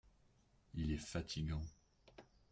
Il est fatigant.